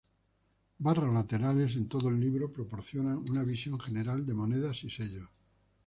Barras laterales en todo el libro proporcionan una visión general de monedas y sellos.